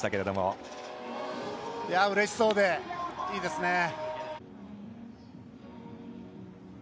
うれしそうでいいですね。